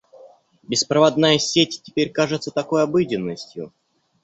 Беспроводная сеть теперь кажется такой обыденностью.